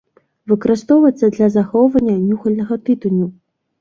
Выкарыстоўваецца для захоўвання нюхальнага тытуню.